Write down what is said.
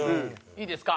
いいですか？